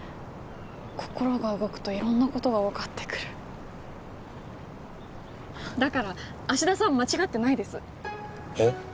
心が動くと色んなことが分かってくるだから芦田さん間違ってないですえっ？